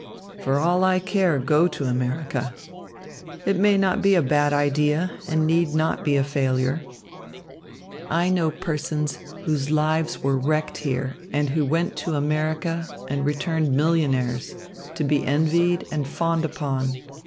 For all I care, go to America. It may not be a bad idea and need not be a failure, I know persons whose lives were wrecked here and who went to America and returned millionaires, to be envied and fawned upon.